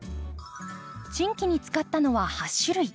チンキに使ったのは８種類。